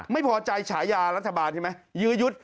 ไม่พอใจฉายารัฐบาลใช่ไหมยื้อยุด